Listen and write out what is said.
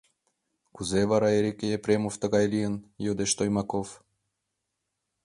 — Кузе вара Эрик Епремов тыгай лийын? — йодеш Тоймаков.